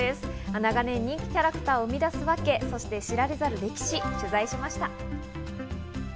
長年、人気キャラクターを生み出すわけ、そして知られざる歴史を取材しました。